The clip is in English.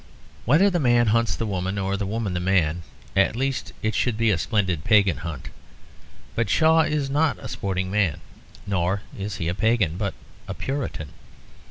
Whether the man hunts the woman or the woman the man, at least it should be a splendid pagan hunt; but Shaw is not a sporting man. Nor is he a pagan, but a Puritan.